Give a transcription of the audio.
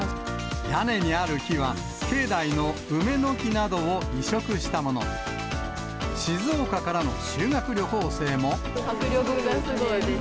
屋根にある木は、境内の梅の木などを移植したもので、静岡か迫力がすごいです。